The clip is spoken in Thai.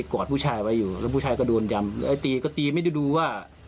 กอดผู้ชายไว้อยู่แล้วผู้ชายก็โดนยำไอ้ตีก็ตีไม่ได้ดูว่า